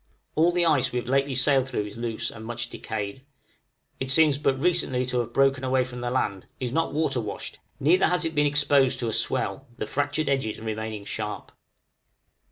All the ice we have lately sailed through is loose, and much decayed; it seems but recently to have broken away from the land, is not water washed, neither has it been exposed to a swell, the fractured edges remaining sharp.